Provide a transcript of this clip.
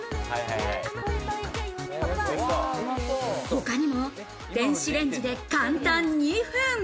他にも電子レンジで簡単２分。